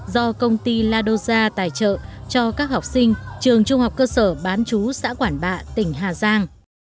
do công ty ladoza tài trợ cho các học sinh trường trung học cơ sở bán chú xã quản bạ tỉnh hà giang